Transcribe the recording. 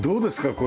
これ。